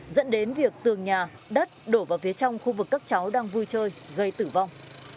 dẫn đến việc tường nhà đất đổ vào phía trong khu vực các cháu đang vui chơi gây tử vong